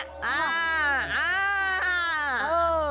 อ่าอ่าเออ